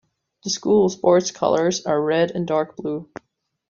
The school's sports colours are red and dark blue.